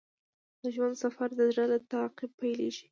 د ژوند سفر د زړه له تعقیب پیلیږي.